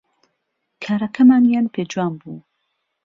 کارەکەمانیان پێ جوان بوو